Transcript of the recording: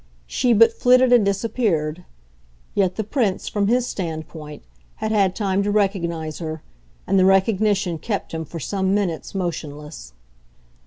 She but flitted and disappeared; yet the Prince, from his standpoint, had had time to recognise her, and the recognition kept him for some minutes motionless.